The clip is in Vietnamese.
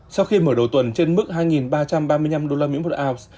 sau khi mở đầu tuần trên mức hai ba trăm ba mươi năm usd một ounce